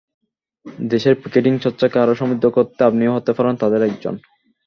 দেশের পিকেটিং চর্চাকে আরও সমৃদ্ধ করতে আপনিও হতে পারেন তাদের একজন।